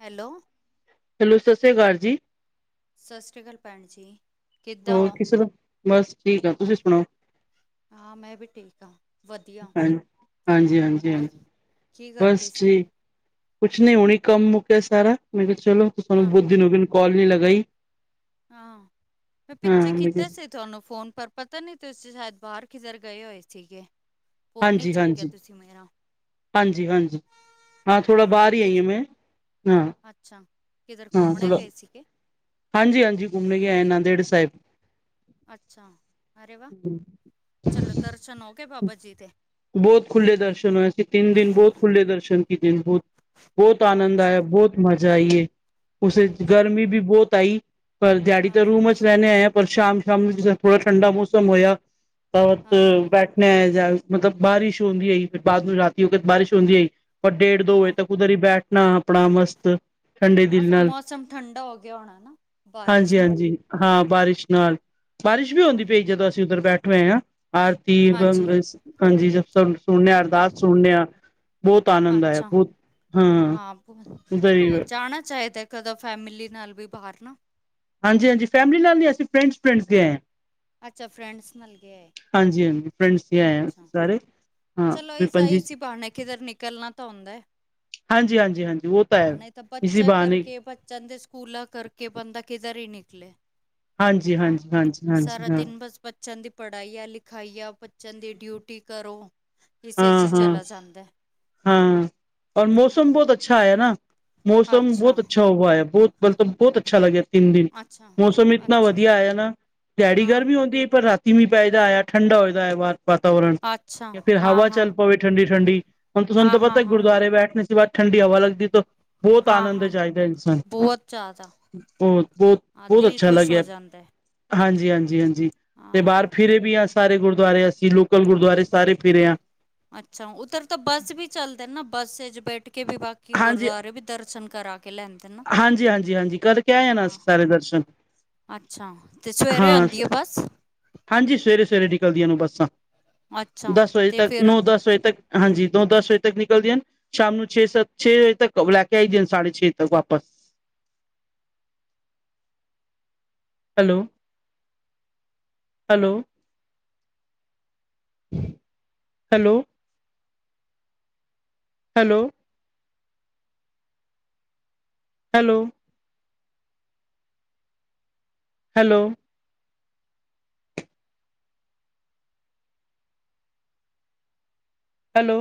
Hello. Hello ਸਸ ਸੀਆ ਕਾਲ ਜੀ। ਸਸ ਰੀ ਕਾਲ ਭੈਣ ਜੀ। ਹੋਰ ਕਿਸ ਤਰ੍ਹਾਂ ਹੋ? ਬਸ ਠੀਕ ਆ, ਤੁਸੀਂ ਸੁਣਾਓ? ਹਾਂ ਮੈਂ ਵੀ ਠੀਕ ਆ। ਹਾਂ ਹਾਂਜੀ ਹਾਂਜੀ ਹੋਰ ਹਾਂਜੀ ਕੀ ਕਰਦੇ ਬਸ ਸੀ? ਠੀਕ। ਕੁਛ ਨੀ ਹੁਣੇ ਹੀ ਕੰਮ ਮੁੱਕਿਆ ਸਾਰਾ, ਮੈਂ ਕਿਹਾ ਚਲੋ ਤੁਹਾਨੂੰ ਹਾਂ ਬੁਹੂਤ ਦਿਨ ਹੋ ਗਏ ਕੋਲ ਨੀ ਲਗਾਈ। ਹਾਂ ਮੈ ਹਾਂ ਪਿੱਛੇ ਮੈਂ ਕਿਹਾ ਕੀਤਾ ਸੀ ਤੁਹਾਨੂੰ ਫ਼ੋਨ ਪਰ ਪਤਾ ਨੀ ਤੁਸੀਂ ਸ਼ਾਇਦ ਬਾਹਰ ਕਿਧਰ ਗਏ ਹੋਏ ਸੀਗੇ। ਫ਼ੋਨ ਨੀ ਹਾਂਜੀ ਚੱਕਿਆ ਹਾਂਜੀ ਤੁਸੀਂ ਮੇਰਾ। ਹਾਂਜੀ ਹਾਂਜੀ, ਹਾਂ ਥੋੜ੍ਹਾ ਬਾਹਰ ਹੀ ਆਈ ਆ ਮੈਂ ਹਾਂ। ਅੱਛਾ ਕਿਧਰ ਹਾਂ ਘੁੰਮਣੇ ਥੋੜਾ ਗਏ ਸੀਗੇ? ਹਾਂਜੀ ਹਾਂਜੀ ਘੁੰਮ ਕੇ ਆਏ ਨੰਦੇੜ ਸਾਹਿਬ। ਅੱਛਾ, ਅਰੇ ਵਾਹ ਚਲੋ ਦਰਸ਼ਨ ਹੋਗੇ ਬਾਬਾ ਜੀ ਦੇ। ਬਹੁਤ ਖੁੱਲ੍ਹੇ ਦਰਸ਼ਨ ਹੋਏ ਅਸੀ ਤਿੰਨ ਦਿਨ ਬਹੁਤ ਖੁੱਲੇ ਦਰਸ਼ਨ ਕੀਤੇ ਨੇ ਬਹੁਤ। ਬਹੁਤ ਆਨੰਦ ਅੱਛਾ ਆਇਆ, ਬਹੁਤ ਮਜ਼ਾ ਆਈ ਏ, ਉੇਸ ਵਿਚ ਅੱਛਾ ਗਰਮੀ ਵੀ ਬਹੁਤ ਆਈ। ਪਰ ਦਿਹਾੜੀ ਹਾਂ ਤਾਂ ਰੂਮ ਵਿਚ ਚ ਰਹਿੰਦੇ ਆਏ ਪਰ ਸ਼ਾਮ ਸ਼ਾਮ ਨੂੰ ਜਿਸ ਤਰਾਂ ਥੋੜ੍ਹਾ ਠੰਡਾ ਮੌਸਮ ਹੋਇਆ ਬਹੁਤ ਹਾਂ ਹਾਂ ਬੈਠਣਾ ਜਾਂ ਮਤਲਬ ਬਾਰਿਸ਼ ਹੁੰਦੀ ਹੋਈ ਬਾਅਦ ਰਾਤੀ ਵਕਤ ਬਾਰਿਸ਼ ਹੁੰਦੀ ਹੋਈ ਪਰ ਡੇਢ ਦੋ ਵਜੇ ਹਾਂ ਤੱਕ ਉਧਰ ਹੀ ਬੈਠਣਾ ਆਪਣਾ ਮਸਤ। ਠੰਡੇ ਆਹ ਦਿਲ ਫਿਰ ਨਾਲ ਮੌਸਮ ਠੰਡਾ ਹੋ ਗਿਆ ਹੋਣਾ ਨਾ ਬਾਰਿਸ਼ ਨਾਲ। ਹਾਂਜੀ-ਹਾਂਜੀ ਹਾਂ ਬਾਰਿਸ਼ ਨਾਲ, ਬਾਰਿਸ਼ ਵੀ ਹਾਂ ਹੁੰਦੀ ਪਈ ਜਦੋਂ ਅਸੀਂ ਉੱਧਰ ਬੈਠ ਹੋਏ ਆ। ਆਰਤੀ, ਹਾਂਜੀ ਹਾਂਜੀ ਸੁਣਨੇ ਆ ਅਰਦਾਸ ਸੁਣਨੇ ਆ। ਬਹੁਤ ਆਨੰਦ ਆਇਆ ਅੱਛਾ ਬਹੁਤ ਹਾਂ। ਉਧਰ ਹੀ [unintelligible] ਜਾਣਾ ਚਾਹੀਦਾ। ਕਦੋ ਫੈਮਿਲੀ ਨਾਲ ਵੀ ਬਾਹਰ ਨਾ। ਹਾਂਜੀ ਹਾਂਜੀ ਫੈਮਿਲੀ ਨਾਲ ਨਹੀਂ ਅਸੀਂ ਫਰੈਂਡਸ ਫਰੈਂਡਸ ਗਏ ਆ। ਅੱਛਾ ਫਰੈਂਡਸ ਨਾਲ ਗਏ ਹੋਏ। ਹਾਂਜੀ ਹਾਂਜੀ ਫਰੈਂਡਸ ਆਏ ਸਾਰੇ। ਚਲੋ ਹਾਂ ਸਹੀ ਸੀ ਪੰਜੀ ਏਸੇ ਬਹਾਨੇ ਕਿਧਰ ਨਿਕਲਣਾ ਤਾਂ ਹੁੰਦਾ। ਹਾਂਜੀ ਹਾਂਜੀ ਹਾਂਜੀ। ਹਾਂ ਨਹੀਂ ਤਾਂ ਬੱਚਿਆਂ ਕਰਕੇ, ਬੱਚਿਆਂ ਦੇ ਸਕੂਲਾਂ ਕਰਕੇ ਬੰਦਾ ਕਿਧਰ ਹੀ ਨਿਕਲੇ। ਹਾਂ ਸਾਰਾ ਹਾਂਜੀ-ਹਾਂਜੀ-ਹਾਂਜੀ-ਹਾਂਜੀ ਹਾਂ ਦਿਨ ਬਸ ਬੱਚਿਆਂ ਦੀ ਪੜ੍ਹਾਈਆ, ਲਿਖਾਈਆਂ ਬੱਚਿਆਂ ਦੀ ਡਿਊਟੀ ਕਰੋ। ਇਸੇ 'ਚ ਹਾਂ ਹੀ ਹਾਂ, ਚਲਾ ਜਾਂਦਾ ਹਾਂ ਔਰ ਮੌਸਮ ਹਾਂ ਬਹੁਤ ਅੱ ਅੱਛਾ ਹੋਇਆ ਨਾ, ਮੌਸਮ ਬਹੁਤ ਅੱਛਾ ਹੂਆ ਆ, ਬਹੁਤ ਮਤਲਬ ਬਹੁਤ ਅੱਛਾ ਲੱਗਿਆ। ਤਿੰਨ ਦਿਨ, ਅੱਛਾ ਮੌਸਮ ਇਤਨਾ ਅੱਛਾ ਵਧੀਆ ਆਇਆ ਨਾ, ਡੈਡੀ ਹਾਂ ਘਰ ਵੀ ਹੁੰਦੀ ਪਰ ਰਾਤੀਂ ਮੀਂਹ ਪੈਦਾ ਹੋਇਆ ਠੰਡਾ ਹੋ ਜਾਂਦਾ ਐ ਵਾਤਾਵਰਣ। ਅੱਛਾ। ਫੇਰ ਹਾਂ ਹਵਾ ਹਾਂ ਚ ਪਵੇ ਠੰਡੀ- ਠੰਡੀ ਹੁਣ, ਤੁਾਨੂੰ ਹਾਂ ਤੇ ਹਾਂ ਪਤਾ ਹਾਂ ਗੁਰਦੁਆਰੇ ਬੈਠੇ ਦੇ ਸਿਵਾ ਠੰਡੀ ਹਵਾ ਲਗਦੀ ਤਾਂ। ਬੋਤ ਹਾਂ ਆਨੰਦ ਹਾਂ ਚਾਹੀਦਾ ਇਨਸਾਨ। ਬਹੁਤ ਜ਼ਿਆਦਾ ਬੋਤ- ਬੋਤ, ਹਾਂ ਬੋਤ ਦਿਲ ਅੱਛਾ ਖੁਸ਼ ਹੋ ਲੱਗਿਆ। ਜਾਂਦਾ ਹਾਂਜੀ- ਹਾਂਜੀ, ਹਾਂਜੀ ਤੇ ਬਾਹਰ ਫਿਰੇ ਵੀ ਹਾਂ ਸਾਰੇ ਗੁਰਦੁਆਰੇ ਅਸੀਂ ਲੋਕਲ ਗੁਰਦੁਆਰੇ ਸਾਰੇ ਫਿਰੇ ਹਾਂ। ਅੱਛਾ ਉੱਧਰ ਤਾਂ ਬੱਸ ਵੀ ਚੱਲਦਾ ਨਾ ਬੱਸ ਚ ਬੈਠ ਕੇ ਵੀ ਬਾ- ਕਿ ਹਾਂਜੀ ਗੁਰਦੁਆਰੇ ਵੀ ਦਰਸ਼ਨ ਕਰਾ ਕੇ ਲੈਂਦੇ ਨਾ, ਹਾਂਜੀ ਹਾਂਜੀ ਹਾਂਜੀ ਕਰਕੇ ਆਏ ਆ ਨਾ ਹੂੰ। ਅਸੀਂ ਸਾਰੇ ਦਰਸ਼ਨ ਅੱਛਾ, ਤੇ ਸਵੇਰੇ ਹਾਂ ਆਉਂਦੀ ਆ ਬਸ। ਹਾਂਜੀ ਸਵੇਰੇ- ਸਵੇਰੇ ਨਿਕਲਦੀਆਂ ਨੇ ਬੱਸਾਂ, ਅੱਛਾ ਦਸ ਵਜੇ ਤੇ ਤੱਕ ਫਿਰ ਨੌ ਦਸ ਵਜੇ ਤੱਕ। ਹਾਂਜੀ ਨੋ- ਦਸ ਵਜੇ ਤੱਕ ਨਿਕਲਦੀਆਂ ਹਨ। ਸ਼ਾਮ ਨੂੰ ਛੇ- ਸਤ ਛੇ ਵਜੇ ਤੱਕ ਲੈ ਕੇ ਆਈ ਦਿ ਹਣ ਸਾਢੇ ਛੇ- ਸੱਤ ਤੱਕ। Hello, hello. Hello, hello. Hello. Hello. Hello.